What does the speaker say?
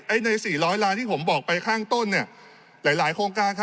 ใน๔๐๐ล้านที่ผมบอกไปข้างต้นเนี่ยหลายโครงการ